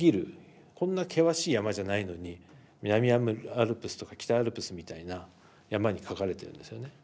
こんな険しい山じゃないのに南アルプスとか北アルプスみたいな山にかかれてるんですよね。